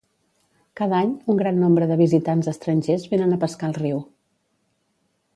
Cada any, un gran nombre de visitants estrangers vénen a pescar al riu.